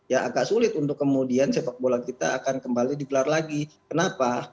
ya agak sulit untuk kemudian sepak bola kita akan kembali digelar lagi kenapa